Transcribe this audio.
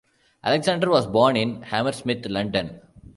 Alexander was born in Hammersmith, London.